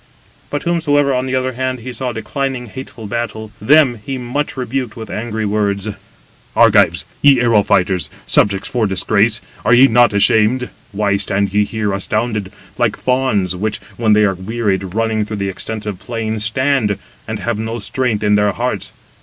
But whomsoever on the other hand he saw declining hateful battle, them he much rebuked with angry words: "Argives, ye arrow fighters, 180 subjects for disgrace, are ye not ashamed? Why stand ye here astounded, like fawns, which, when they are wearied, running through the extensive plain, stand, and have no strength in their hearts?